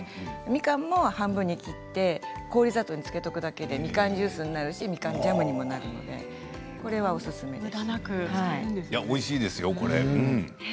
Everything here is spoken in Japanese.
みかんも半分に切って氷砂糖に漬けておくだけでみかんジュースになるしみかんジャムにもなるのでおいしいですよこれ。